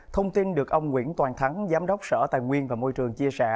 thông tin được ông nguyễn toàn thắng giám đốc sở tài nguyên và môi trường chia sẻ